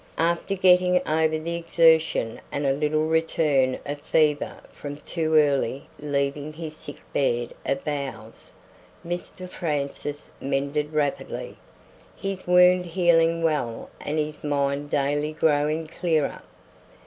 After getting over the exertion and a little return of fever from too early leaving his sick bed of boughs, Mr Francis mended rapidly, his wound healing well and his mind daily growing clearer.